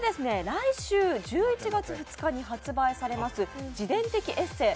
来週１１月２日に発売されます自伝的エッセー